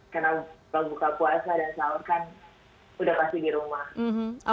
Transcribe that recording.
karena kalau buka puasa dan sahur kan udah pasti di rumah